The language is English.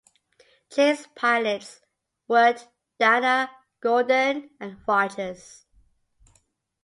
Chase pilots: Wood, Dana, Gordon and Rogers.